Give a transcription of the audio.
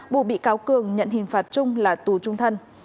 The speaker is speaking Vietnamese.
buộc bị cáo cường nhận hình phạt chung là tù trung thân